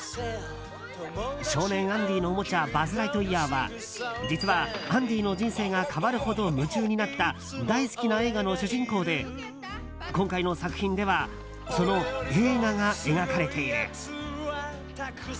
少年アンディのおもちゃバズ・ライトイヤーは実はアンディの人生が変わるほど夢中になった大好きな映画の主人公で今回の作品ではその映画が描かれている。